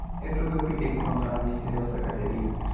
È proprio qui che incontra la misteriosa Catherine.